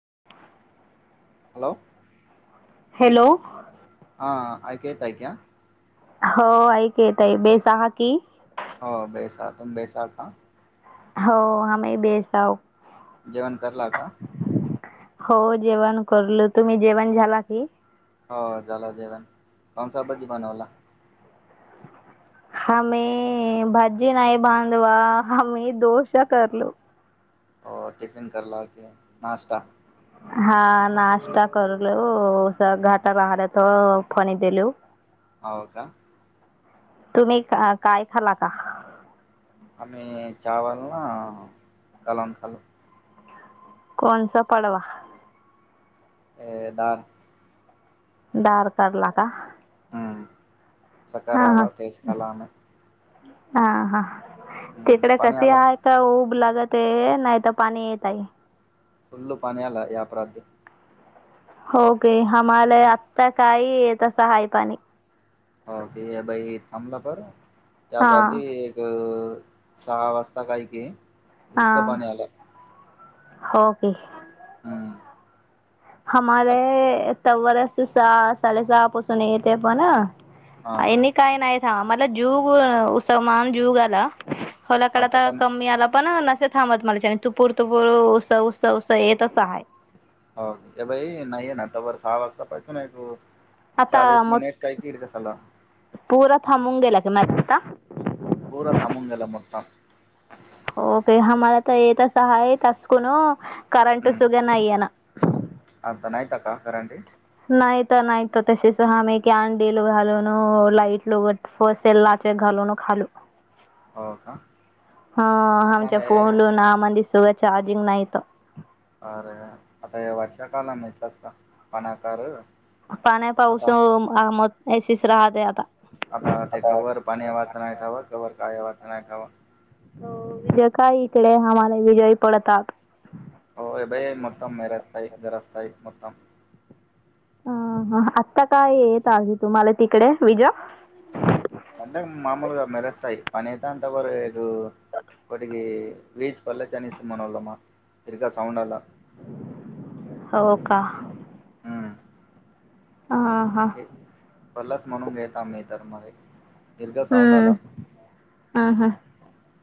[inaudible] Hello hello हा यको येताय क्या हो ऐक येत आहे बेसहा की हो बेसा तुम बेसाा का हो आ्ही बेसव जेवण करला का हो जेवण करल तुम्ही जेवण झाला की हो झाला देवण पम स बजी बनवला हमे भजी नाही बांधवा हमही दोश करलो हो टिफिन करला क नाश्ता हा नाश्ता करलु घाट बाहेर त फणी देल हव का तुम्ही काय खाला का चहा चचावलन कलान काला कोणसा पडवा डाळ डार कला का, हा हा सकारराला तेचकाला आम [inaudible] हा हा तिकडे पाणी कसे आला आहे का उब लागत [inaudible] ते नाही तर पाणी येत आहे. फुल्ल पाण्याला या अपराधी होके आम्हाला आता काही येतस आहेय पाणी के बाई थमलापर त्याप हां एक [inaudible] सहा वाजता काही क हक हां पाणी आला [inaudible] हो क हमारे आत- तस सहा साडे सहा आपो सुने येत आपण ना [inaudible] हा आणिनी काय नाही ां मला जुग उसमान जुग आला [inaudible] खलाकड आता तर का कमी आला पण [inaudible] थांबत मला आणि तुपूर तुपूर उस उस उस येतसं आहे [inaudible] हे बाई नाहीये नाता वर सहा वाजता पाहितो ना एक [inaudible] आता चाळीस मिनिट काय फिर कसाला [inaudible] पूरा मुंगेला क मता [inaudible] पर तमुंगल मतम [inaudible] आता येत सहाय तसकुन करंट हम्म सुगन आहे ना [inaudible] कासाारे [inaudible] नाहीत नाहीत तसेच हामे की अंडी लो घालून लाईट लोघट फसेेल लाचे घा [inaudible] खा हो का आता आमच्या हे फन [inaudible] त चार्जिंग नाहीत. अरे आता वर्षा कालान एटलं असत पनाकार [inaudible] पाण पाऊसम सिच राह द आता [inaudible] आता ते कवर पाणी यावाचं नाही ठेवा कववर का यावाचं नाही ठेवा [inaudible] हो विजय काय इकडे आम्हाला विजय पडतात [inaudible] हो अभय मतम मैरेस्ाय घर असस्ाय मतम [inaudible] अ ह आता काय येत आधी तुम्हाला तिकडे विजा [inaudible] साधणंतपर एक कोठिकी [inaudible] वेस पलेचछानस म्हणावल मा तिरग सौंड आला [inaudible] हो का ह हा पर्लस म्हणून घेेत मी तर मर दीर्घ साऊंड आला [inaudible] हम् हम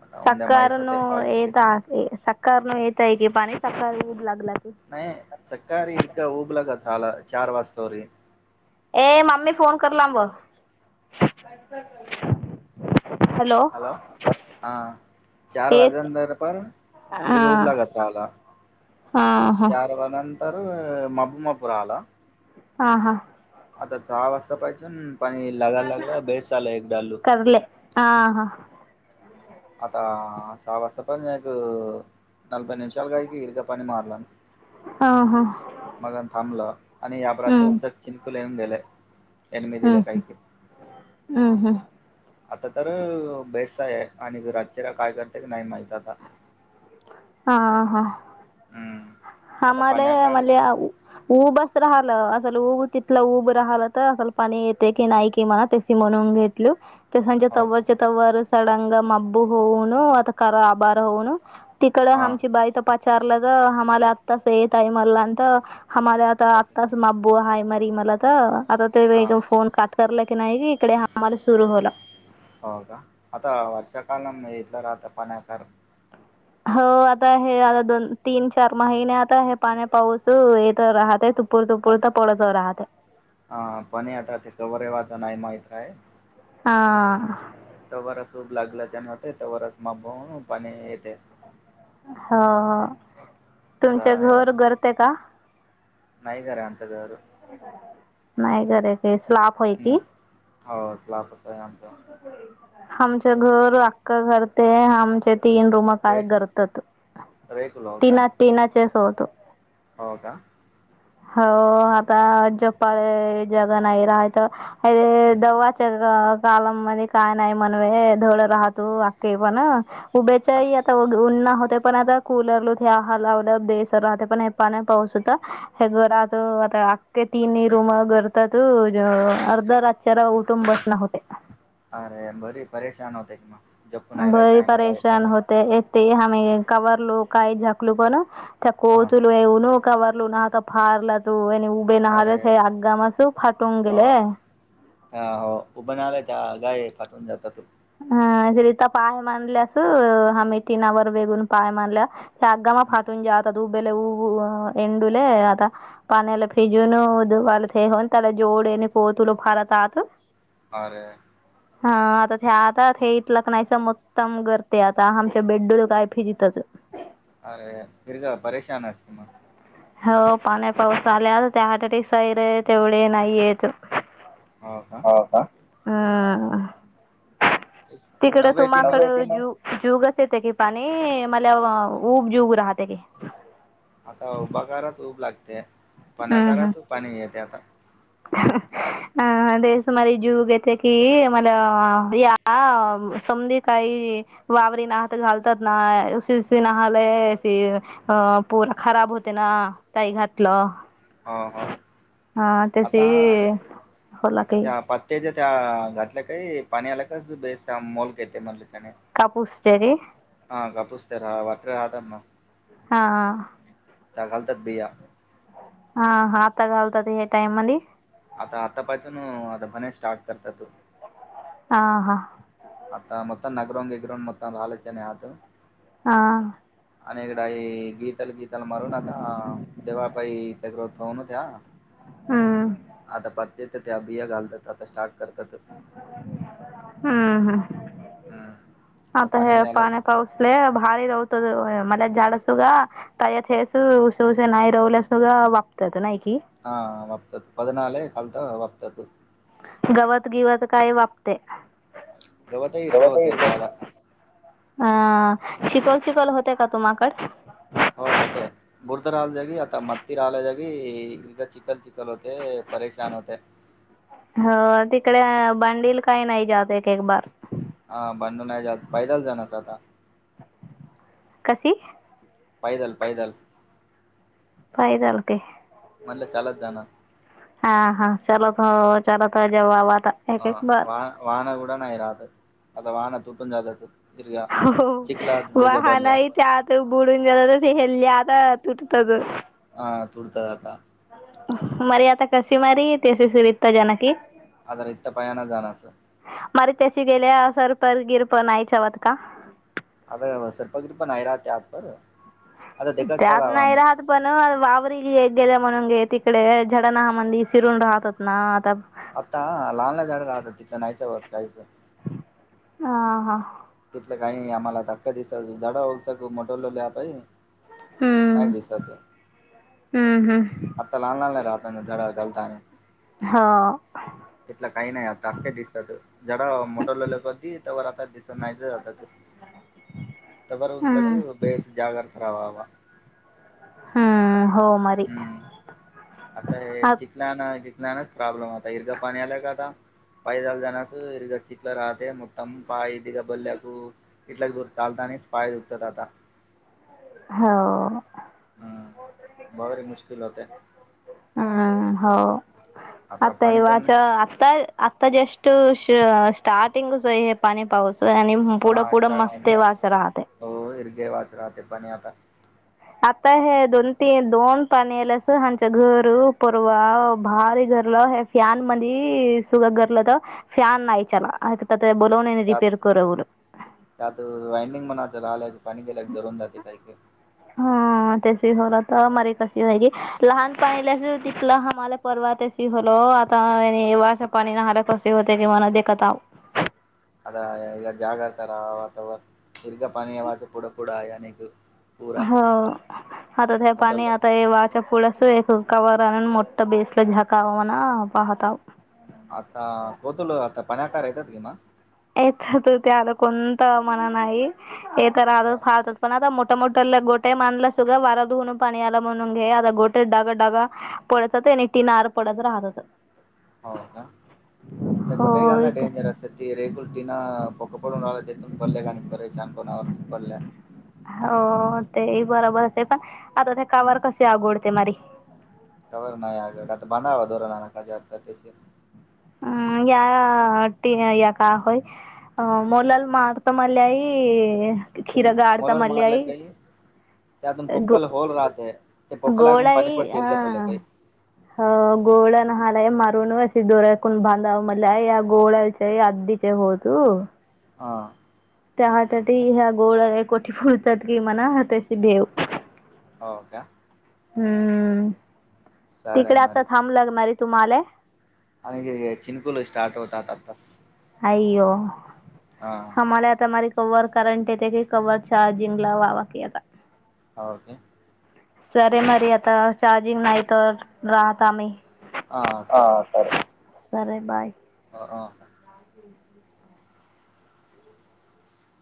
आता उद्या सकार माहित न होते काय होते ते एकदा सकार न त्या क पाणी सकाळीऊ लागला [inaudible] नाही सकाारी इका उऊबला का झाला चार वाज होरी [inaudible] ए ममी फोन करला ब [inaudible] हॅलो, हा चार येत वाजेंतर पण हा इिरग उब लागात राला हा [inaudible] हा चार व नंतर मबमापूर आला [inaudible] हा हा आता चहा वाजता पाहिजे पाणी लगायला लागलं बेस आला एक डालू [inaudible] करले हा हा आता सहा वाजतापास एक [inaudible] नलभई निमषा काय क इरका पणी मारलान हा हा [inaudible] मगन थांबलं आणि याप्रांध उस चिंकुल येऊन गेले [inaudible] हम्म हम्म हम्म हम्म आता तर बेस आहे आणि रातचीरा काय करते की नाही माहित आता [inaudible] हम हा हम्म. आता आम्हाला पाण्याकार म्हण उऊ बस राहिलं [inaudible] असल उऊब तिथलं उऊब राहिलं तर असल पाणी येते की नाही कि म्हणा तस म्हणून घेतल [inaudible] त्या सांच्या हो का तव्वरच्या तव्वर सडंग मब्बू होऊन, आता खरा आभार होऊन तिकडं हा आमची बाई तर पचारलं तर, आम्हाला आत्ताच येत आहे म्हलांत. आमला आता हो का आत्ताच माबू आहेा मारी मला तर आता हा ते फोन काट करला की नाही कि इकडे हमाला सुरू होला. हो का आता वर्षा काल घेतलं राहता पाण्याकर हो आता आहे, आता दोन तीन चार महिने आता आहे, पाण्या पाऊस य तर राहतय तू आता ह पण आता ते कवर आहे, वा आता नाही माहत आहे. हा तवरस उूप लागलच्यानवते तवरच मा पाणी येते. हो तुमच्या घर गरते का नईगर अंतदवर नाही करे ते स्लाप होय हम्म की हो ला कस आहे आमचा आमच घर अक्कं घरते आमचे तीन रूम काय रेक करत रेकुल हो का तीना तीनाचेच होतो. हो का. हो आता जपाळ जग नाही राहा तर हेे दवाचरग कालम मध्ये काय नाही म्हनवे धोडं राहतो अखे पण उभ्याच्याही आता उनना हो ते पण आता कूलर ल ह लावलं देसर राहते पण हे पान पाऊस होता हे घर आता ते तीनही रूम करतात अर्ध रातच्यारा उठून बसण होते. अरे बरी परेशान होते क म बरी परेशान होते य ते आमही कवरलो काही झकलू पण त्या हा कोोतलू येऊनू कावररलू नाता फारला तू उबे ना अरे हले आज्गा मसे फाटून गेले. ह हो बनलाय त्या गाय पाठून जात तु ह ज रिता पाय मानल्यास हम टिनावर वेगून पाय मानल्या गामा फाटून जात. दुबेऊ एंडूले आता पाण्याला फिजून दुवान त्याला जो कोोत फारत आात. आ [unintelligible] हा आता आता हे इथल क नाहीस मक्तम करते, आता आमच्या बेड्डूड काय फिजतच अरे फिरजला परेशान अस अस तु मग हो पाणी पाऊस आल्या त्या हट सैर आहे तेवढे नाहीयेत. हो का हम् तिकड नव्हे तीन तुम्हाकड जु जुग त की पाणी मला उबजीब राहते की. आता उभा कत उऊब लागते, पाण्याकारात पाणी येते आता. ह अ ते सुमारी जूग येते की मला या समधी काही वावर घालतात ना ख [unintelligible] ब होते ना ताई घातलं. ह ह हा त्याची आता होला आता काही त्या त्या घातल्या काही पाणी आल्या काे मोलक येते म्हण. कापूस्री कापूस तर ह वाटर राहत्. हाा त्या झाल तर बया. हा हा आता घालतात ह्या टाइम मधी. आता आता पायतो ना आता पणे स्टार्ट करतं तू ह हा. आत्ता [unintelligible] हा. आणि [unintelligible] हम्म आता [unintelligible] ते त्या बिया घालतात आता स्टार्ट करतात हा हा. हम्म आता पाणी हे आलंय पाण्या पाऊसले भारी रवत [unintelligible] मला [unintelligible] हा [unintelligible] गवत गिवत काय वापते गवत हिरगा होतय जागा शिकवल शिकवल होते का तुम्हाकड? हो होतय ये एकदा चिकल चिकल होते परेशान होते. हो तिकडे बांडील काही नाही जात एक एक बार. हा बंडू नाही जात पैदल जाणार आता कशी? पैदल पैदल. काही जालते? म्हणलं चालत जाणार. हा हा. [unintelligible] एक बार [unintelligible] हो चिखलात दगा भरल्या वाहनही त्यात बुडून जात [unintelligible] [unintelligible] हा तुडतात आता मरे आता कशी मारी तशी सुरिता जानकी आज रीता पायाना जाणार असा. मारी तशी गेल्या सरपर गिरप नाही ठेवत का? अ [unintelligible] त्यात नाही राहत पण वावरीले गेले म्हणून घे तिकडे [unintelligible] राहतात ना आता आता लहानला झाडं राहतात तिथं नाहीच होत काहीच हा हा. काही आम्हाला धक्का [unintelligible] नाही हम्म दिसत हम्म हम्म. आता लहान लाहान नाही राहता [unintelligible] आ तिथल काही नाही आता अख्खे दिसतात झाड मोठ लवले कधी तवर आता दिसत नाही जात [unintelligible] तवर हम्म सगे बेस जागत रावावा हम्म. हो मरी हम्म आता हे आत चिकला ना नाही [unintelligible] प्रॉब्लेम आता इरगा पाणी आलं का आता [unintelligible] चीकला राहते [unintelligible] स्पाय देतात आता हो. हम्म भारी मुश्किल होते. हम्म हो आता पाणी पण येवाच आता आ ता जस्ट श स्टार्टिंग सो हे पाणी पावस हा स्टार्टिंग राहते हो हिरगे वाच राहते पाणी आता. आता हे दोन तीन दोन पाणी आल अस ह्याच्या घरु परवा भारी घर. फॅन मधी सुग गरलं तर फॅन नाही इचारला ते बोलवून यांनी त्यात रिपेअर करवल. रालाय पाणी गेल्या जरून जाते काही की हम. त होल तर मरि कशी व्हाय लहान पाहिलंस तिथलं हम्हाला परवा तशी होल. आता नी अशा पाणीने न्हाला की सर्दी होते किं देखत आव. आता जागा तरा अथवा इरीला पाणी यावंच पुूड पूड अन एक हो आता त्या पाणी मोटरला आता हिवाच्या पूड. एक कवर आण मोठा बेसला झाकावा ना पाहताव. आता कोतुल आता पनाकार येतात कि म य तर तर ते आलं कोणत मण नाही हे तर रा फाळतात पण आता मोठ. मो मोटला गोटे मानला सुगा वारा धुवून पाणी आला म्हणून घे आता गोटे डागत डागा. तीन आर पडत राहतातअ. हो का तर कुठेही हो घालना इथं डेंजरस आहे ती रे? फुल्टिनं पक पडून राहिला त्याथून पडले ग आणि पर शानपणावर पडल्या. हो तेही बरोबर असते पण आता त्या हम् कावर कशी आघोडते मारी खबर नाही आगड आता बनावा धोरण ना काज आता त्याशी अम या ट या का होय. अ मुलाल मारत मल्याई ते मोलाल मारलं काही त्यातून पक्कल होल राहतय. गोळा येई ह हो अ गोळ्यान हा. मला मारून अ दोऱ्याकून बांधाव मलाई या गोळ्याच्या अदीच्या होतु. हां. त्या ह त्या ह्या गोळ कोठ फुलतात कि म्हणा त्याची भेव. हो का? हम्म सर तिकडे आहे मारी आता थांब लागणारये तुम्हाला आणि चिनकुल स्टार्ट होतात आतास. आयो हमाला आता मारीत. कव्हर कारंट येते की कव्हर चार्जिंग ला व्हावा की आता ओके. सरे मरी आता चार्जिंग नाही तर राहत आम्ही ह सर. बरय बाय. होव.